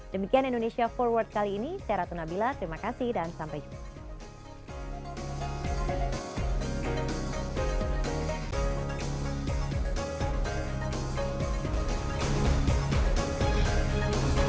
demikian indonesia forward kali ini saya ratu nabila terima kasih dan sampai jumpa